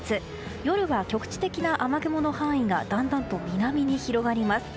夜は局地的な雨雲の範囲がだんだんと南に広がります。